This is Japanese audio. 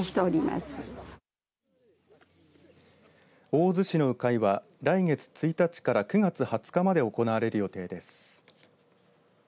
大洲市の鵜飼いは、来月１日から９月２０日まで行われる予定です。